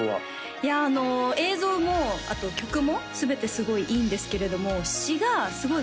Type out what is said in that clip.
いや映像もあと曲も全てすごいいいんですけれども詞がすごい